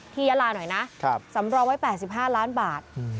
ยาลาหน่อยนะสำรองไว้๘๕ล้านบาท